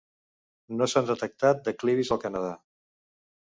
No s'han detectat declivis al Canadà.